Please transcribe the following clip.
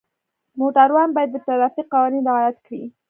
موټروان باید د ټرافیک قوانین رعایت کړي.